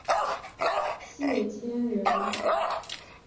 谢迁人。